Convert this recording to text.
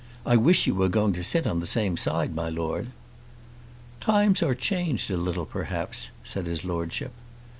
I wish you were going to sit on the same side, my Lord." "Times are changed a little, perhaps," said his Lordship.